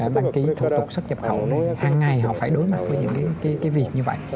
cái thủ tục sắp nhập khẩu hàng ngày họ phải đối mặt với những cái việc như vậy